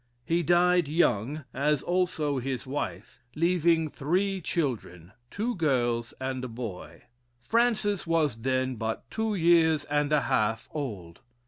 He died young, as also his wife, leaving three children two girls and a boy. Frances was then but two years and a half old.